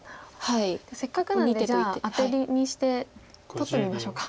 せっかくなんでじゃあアタリにして取ってみましょうか。